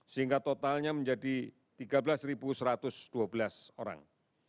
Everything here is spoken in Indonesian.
sehingga totalnya menjadi tiga belas satu ratus dua belas orang